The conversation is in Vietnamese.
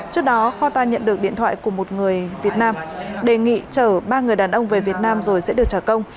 trước đó kho ta nhận được điện thoại của một người việt nam đề nghị chở ba người đàn ông về việt nam rồi sẽ được trả công